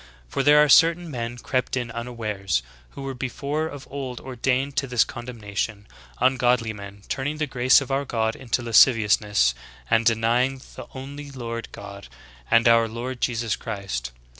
For there are certain men crept in unawares, who were before of old or dained to this condemnation, ungodly men, turning the grace of our God into lasciviousness, and denying the only Lord 44 THE GREAT APOSTASY. God, and our Lord Jesus Christ."'